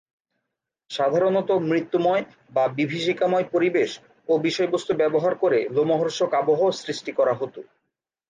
সাধারণত মৃত্যুময় বা বিভীষিকাময় পরিবেশ ও বিষয়বস্তু ব্যবহার করে লোমহর্ষক আবহ সৃষ্টি করা হত।